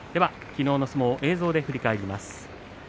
昨日の相撲を映像で振り返ります。